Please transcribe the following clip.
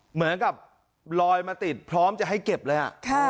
เหมือนกับลอยมาติดพร้อมจะให้เก็บเลย